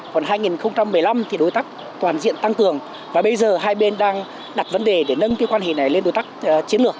còn hai nghìn một mươi năm thì đối tác toàn diện tăng cường và bây giờ hai bên đang đặt vấn đề để nâng cái quan hệ này lên đối tác chiến lược